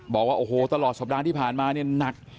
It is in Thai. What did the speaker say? บอกว่าโอ้โหตลอดสัปดาห์ที่ผ่านมาเนี่ยหนัก